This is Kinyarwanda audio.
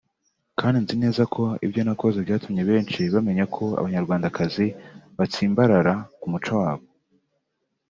kandi nzi neza ko ibyo nakoze byatumye benshi bamenya ko abanyarwandakazi batsimbarara ku muco wabo